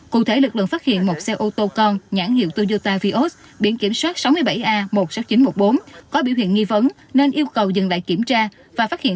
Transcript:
cụ thể lực lượng phát hiện một xe ô tô con nhãn hiệu toyota vios biển kiểm soát sáu mươi bảy a một mươi sáu nghìn chín trăm một mươi bốn có biểu hiện nghi vấn nên yêu cầu dừng lại kiểm tra và phát hiện